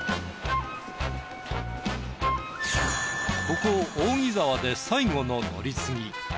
ここ扇沢で最後の乗り継ぎ。